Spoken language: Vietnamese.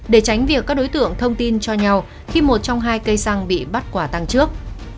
để tránh việc các đối tượng thông tin cho nhau khi một trong hai cây xăng bị bắt quả tăng trước